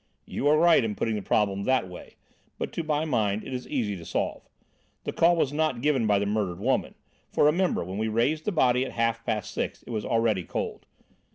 "You are right in putting the problem that way, but to my mind it is easy to solve. The call was not given by the murdered woman for, remember, when we raised the body at half past six it was already cold.